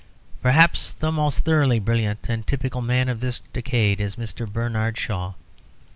Perhaps the most thoroughly brilliant and typical man of this decade is Mr. Bernard Shaw.